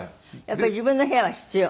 やっぱり自分の部屋は必要？